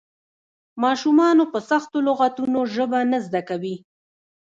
ماشومان په سختو لغتونو ژبه نه زده کوي.